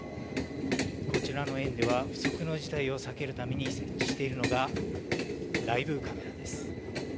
こちらの園では、不測の事態を避けるために設置しているのが、ライブカメラです。